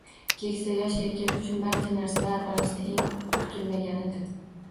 Keksa yosh erkak uchun barcha narsalar orasida eng kutilmaganidir.